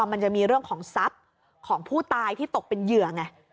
มันจะมีเรื่องของทรัพย์ของผู้ตายที่ตกเป็นเหยื่อไง